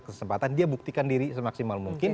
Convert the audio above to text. kesempatan dia buktikan diri semaksimal mungkin